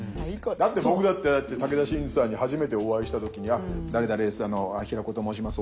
だって僕だって武田真治さんに初めてお会いした時に「平子と申します。